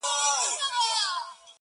• چي ټوله ورځ ستا د مخ لمر ته ناست وي ـ